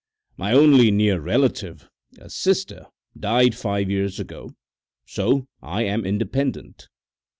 My only near relative, a sister, died five years ago, so that I am independent.